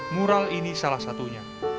mural ini salah satunya